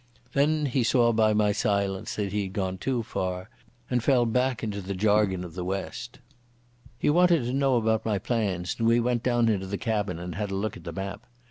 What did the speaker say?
Then he saw by my silence that he had gone too far, and fell back into the jargon of the West. He wanted to know about my plans, and we went down into the cabin and had a look at the map.